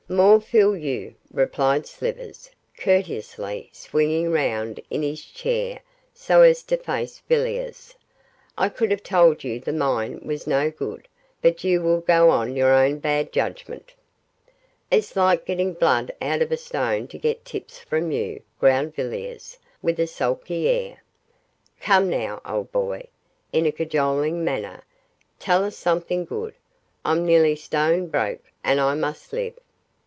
'More fool you,' replied Slivers, courteously, swinging round in his chair so as to face Villiers. 'I could have told you the mine was no good; but you will go on your own bad judgment.' 'It's like getting blood out of a stone to get tips from you,' growled Villiers, with a sulky air. 'Come now, old boy,' in a cajoling manner, 'tell us something good I'm nearly stone broke, and I must live.